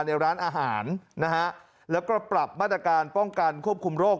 ในร้านอาหารนะฮะแล้วก็ปรับมาตรการป้องกันควบคุมโรค